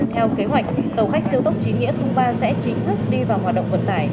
theo kế hoạch tàu khách siêu tốc chín nghĩa ba sẽ chính thức đi vào hoạt động vận tải